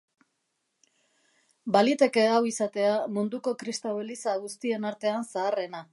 Baliteke hau izatea munduko kristau eliza guztien artean zaharrena.